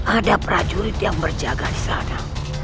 ada prajurit yang berjaga di sana